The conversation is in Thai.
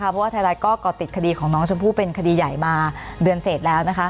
เพราะว่าไทยรัฐก็ก่อติดคดีของน้องชมพู่เป็นคดีใหญ่มาเดือนเสร็จแล้ว